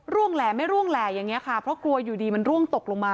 แหล่ไม่ร่วงแหล่อย่างนี้ค่ะเพราะกลัวอยู่ดีมันร่วงตกลงมา